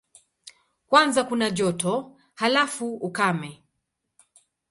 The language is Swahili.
Kwanza kuna joto, halafu ukame.